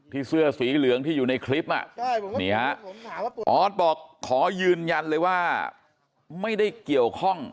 เสื้อสีเหลืองที่อยู่ในคลิปนี่ฮะออสบอกขอยืนยันเลยว่าไม่ได้เกี่ยวข้อง